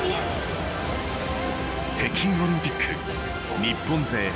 北京オリンピック日本勢